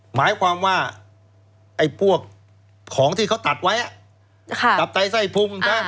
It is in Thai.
หมายความว่าของที่เขาตัดไว้ตัดใต้ไส้พุ่ง